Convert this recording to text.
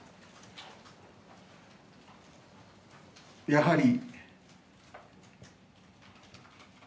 やはり。